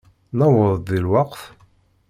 Newweḍ-d di lweqt?